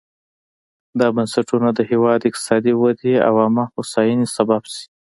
دا بنسټونه د هېواد اقتصادي ودې او عامه هوساینې سبب شي.